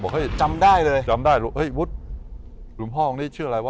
บอกเฮ้ยจำได้เลยจำได้หลุงพ่อองค์นี้ชื่ออะไรวะ